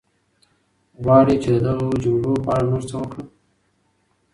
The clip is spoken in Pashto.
غواړې چې د دغو جملو په اړه نور څه وکړم؟